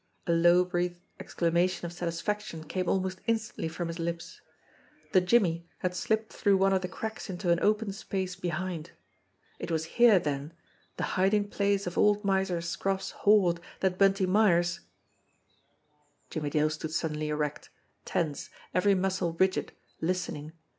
A low breathed exclamation of satisfaction came almost instantly from his lips. The "jimmy" had slipped through one of the cracks into an open space behind. It was here, then, the hiding place of old Miser Scroff's hoard that Bunty Myers Jimmie Dale stood suddenly erect, tense, every muscle rigid, listening.